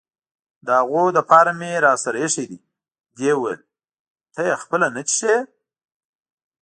د هغوی لپاره مې راسره اېښي دي، دې وویل: ته یې خپله نه څښې؟